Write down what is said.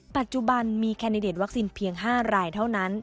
ปัจจุบันมีแคนดิเดตวัคซีนเพียง๕รายเท่านั้น